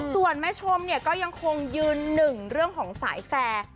ส่วนแม่ชมเนี่ยก็ยังคงยืนหนึ่งเรื่องของสายแฟร์